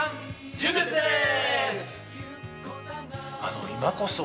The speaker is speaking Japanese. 純烈です！